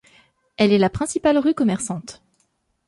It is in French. Elle est la principale rue commerçante.